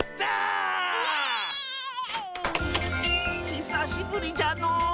ひさしぶりじゃのう。